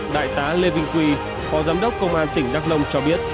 đại tá lê vinh quy phó giám đốc công an tỉnh đắk nông cho biết